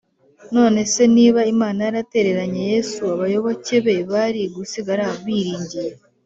none se niba imana yaratereranye yesu, abayoboke be bari gusigara biringiye